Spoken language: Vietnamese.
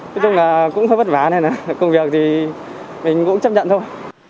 nói chung là cũng hơi vất vả nên là công việc thì mình cũng chấp nhận thôi